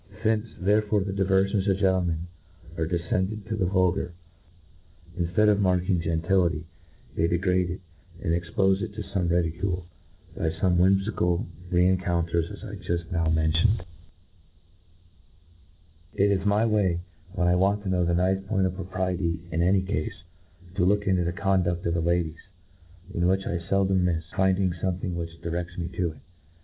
Since, therefore, the di i verfion* 4^ t N T R O D U € T 1 .6 it. vcrfions of gentlemen arc ddcended to the vXiU gar*— infiead of marking gentility, they degrade it — ^and expofe it to fome ridiciilef by fuch ts^hhn fical rencounters as Ijuft now mentioned. It is my way, when I want to know the nice point of propriety in any cafe, to look into the conduft of the ladies, in which I feldom mifs finding fomething which direfts me to it.